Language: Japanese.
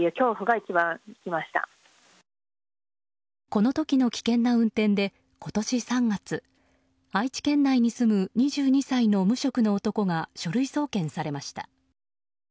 この時の危険な運転で今年３月愛知県内に住む２２歳の無職の男が書類送検されました。